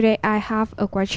hãy đăng ký kênh của quý vị